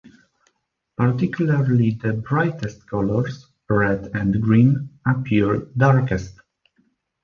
Particularly the brightest colors, red and green, appear darkest.